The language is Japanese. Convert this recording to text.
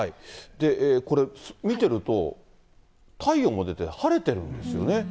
これ、見てると、太陽も出て、晴れてるんですよね。